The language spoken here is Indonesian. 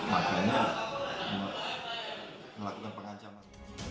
makanya melakukan pengajaman